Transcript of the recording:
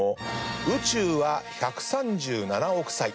「宇宙は１３７億歳。